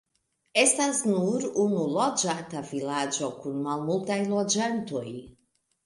Estas nur unu loĝata vilaĝo kun malmultaj loĝantoj.